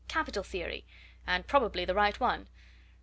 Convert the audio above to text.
"Capital theory! and probably the right one.